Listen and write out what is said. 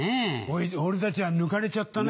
俺たちは抜かれちゃったね。